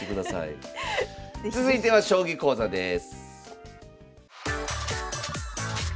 続いては将棋講座です。